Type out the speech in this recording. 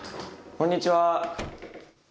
こんにちは。